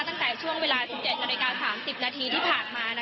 ตั้งแต่ช่วงเวลา๑๗นาฬิกา๓๐นาทีที่ผ่านมา